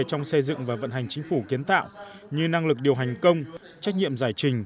trong xây dựng và vận hành chính phủ kiến tạo như năng lực điều hành công trách nhiệm giải trình